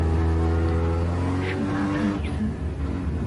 圣帕特里斯。